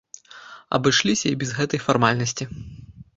Абышліся і без гэтай фармальнасці.